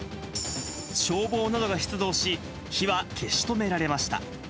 消防などが出動し、火は消し止められました。